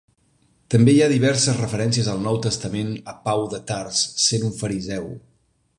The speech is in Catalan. També hi ha diverses referències al Nou Testament a Pau de Tars sent un fariseu.